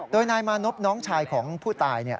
โดยนายมานพน้องชายของผู้ตาย